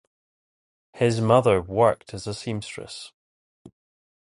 His mother worked as a seamstress.